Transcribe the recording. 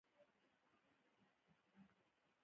تعلیم نجونو ته د صابون کارول ور زده کوي.